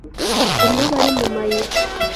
Rimwe aba ari mu mayira